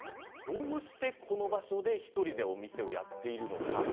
どうして、この場所で１人でお店をやっているのか。